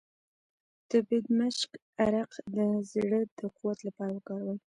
د بیدمشک عرق د زړه د قوت لپاره وکاروئ